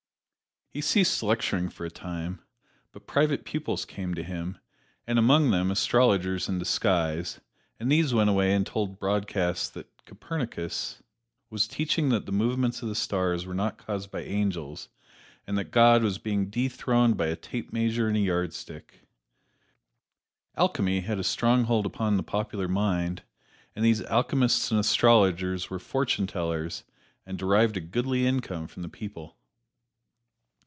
He ceased lecturing for a time, but private pupils came to him, and among them astrologers in disguise, and these went away and told broadcast that Copernicus was teaching that the movements of the stars were not caused by angels, and that "God was being dethroned by a tape measure and a yardstick." Alchemy had a strong hold upon the popular mind, and these alchemists and astrologers were fortune tellers and derived a goodly income from the people.